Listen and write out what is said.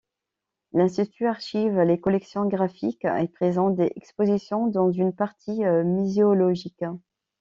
L'institut archive les collections graphiques et présente des expositions dans une partie muséologique.